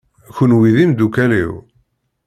Kenwi d imeddukal-iw.